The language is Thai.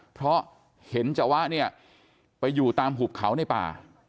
เพราะเห็นจวะเนี่ยไปอยู่ตามหุบเขาในป่า